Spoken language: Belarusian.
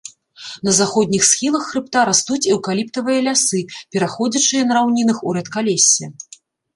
На заходніх схілах хрыбта растуць эўкаліптавыя лясы, пераходзячыя на раўнінах у рэдкалессе.